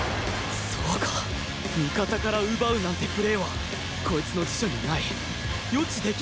そうか味方から奪うなんてプレーはこいつの辞書にない予知できない動きなんだ！